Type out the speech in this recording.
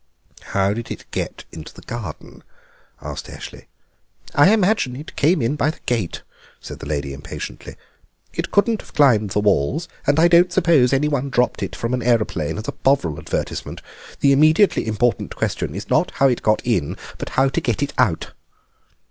"How did it get into the garden?" asked Eshley. "I imagine it came in by the gate," said the lady impatiently; "it couldn't have climbed the walls, and I don't suppose anyone dropped it from an aeroplane as a Bovril advertisement. The immediately important question is not how it got in, but how to get it out."